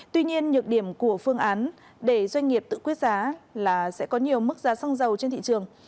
tuy nhiên nhược điểm của phương án để doanh nghiệp tự quyết giá là sẽ có nhiều mức giá xăng dầu trên thị trường